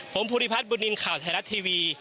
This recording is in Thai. ผมภูริพัฒนบุญนินทร์ข่าวไทยรัฐทีวี